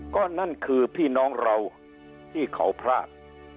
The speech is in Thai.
ก็นั่นคือพี่น้องเราที่เขาพลาด